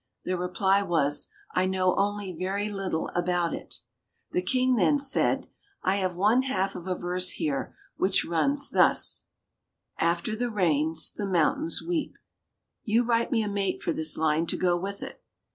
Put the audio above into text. The reply was, "I know only very little about it." The King then said, "I have one half of a verse here which runs thus 'After the rains the mountains weep.' You write me a mate for this line to go with it."